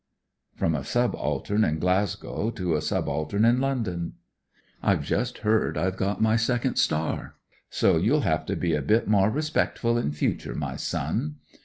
From a subaltern in Glasgow to a subaltern in London : "I've just heard I've got my second star; so you'll have to be a bit more respectful in future, my son.